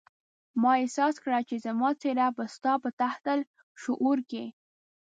ما احساس کړه چې زما څېره به ستا په تحت الشعور کې.